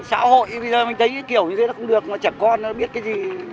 xã hội bây giờ mình thấy kiểu như thế nó không được mà trả con nó biết cái gì